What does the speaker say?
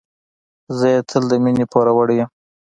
زه یې تل د مينې پوروړی یم.